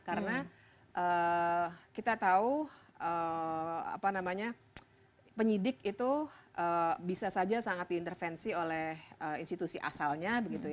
karena kita tahu penyidik itu bisa saja sangat diintervensi oleh institusi asalnya